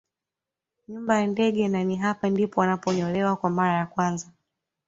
Nyumba ya ndege na ni hapa ndipo wanaponyolewa kwa mara ya kwanza